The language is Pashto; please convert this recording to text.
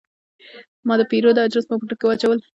ما د پیرود اجناس په موټر کې واچول.